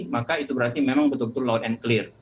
maka itu berarti memang betul betul lone and clear